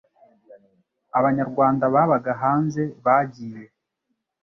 Abanyarwanda babaga hanze bagiye